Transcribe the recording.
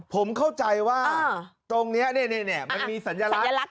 ผมเข้าใจว่าตรงนี้มันมีสัญลักษณ